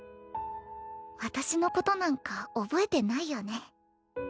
私のことなんか覚えてないよね